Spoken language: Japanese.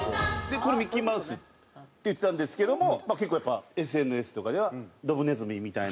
これミッキーマウスって言ってたんですけども結構やっぱＳＮＳとかではドブネズミみたいな。